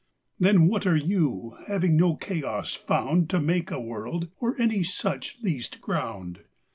Then what are You, having no Chaos found To make a World, or any such least ground?